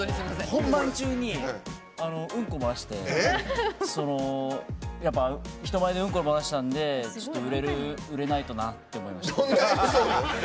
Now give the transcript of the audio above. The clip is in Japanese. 本番中にうんこを漏らして人前で、うんこ漏らしたんで売れないとなと思いました。